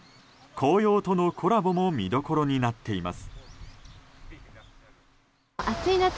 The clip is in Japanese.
紅葉とのコラボも見どころになっています。